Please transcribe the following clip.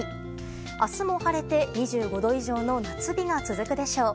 明日も晴れて２５度以上の夏日が続くでしょう。